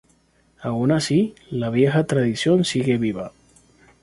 Aun así, la vieja tradición sigue viva.